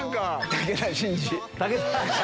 武田真治